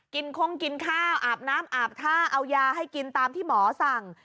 คงกินข้าวอาบน้ำอาบท่าเอายาให้กินตามที่หมอสั่ง